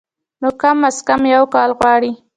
نو کم از کم يو کال غواړي